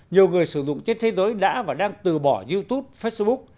nhiều người sử dụng trên thế giới đã và đang từ bỏ youtube facebook